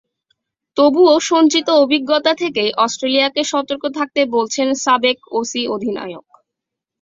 তবুও সঞ্চিত অভিজ্ঞতা থেকেই অস্ট্রেলিয়াকে সতর্ক থাকতে বলছেন সাবেক অসি অধিনায়ক।